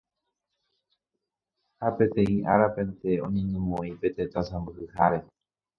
ha peteĩ árapente oñeñemoĩ pe tetã sãmbyhyháre